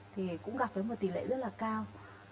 thì cũng gặp với một tỷ lệ rất là cao